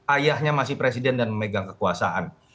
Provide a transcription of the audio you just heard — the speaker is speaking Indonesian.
ayahnya masih presiden dan memegang kekuasaan